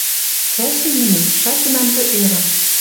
Цӓшем мӹньӹн, шачынам тӹ эрын